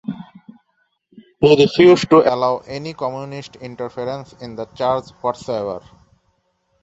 He refused to allow any Communist interference in the Church whatsoever.